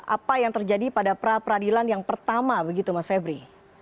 apa yang terjadi pada pra peradilan yang pertama begitu mas febri